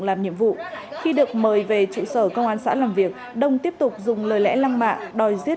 làm nhiệm vụ khi được mời về trụ sở công an xã làm việc đông tiếp tục dùng lời lẽ lăng mạ đòi giết